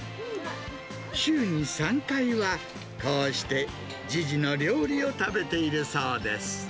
週に３回は、こうして、じじの料理を食べているそうです。